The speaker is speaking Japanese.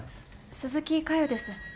鈴木加代です